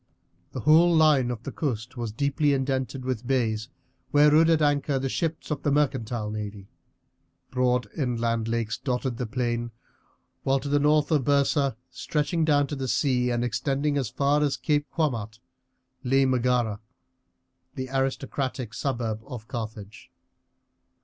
The whole line of the coast was deeply indented with bays, where rode at anchor the ships of the mercantile navy. Broad inland lakes dotted the plain; while to the north of Byrsa, stretching down to the sea and extending as far as Cape Quamart, lay Megara, the aristocratic suburb of Carthage.